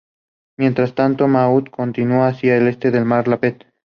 Unclean vocalist Jon Mess and clean vocalist Jonny Craig were recruited shortly after.